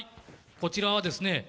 こちらはですね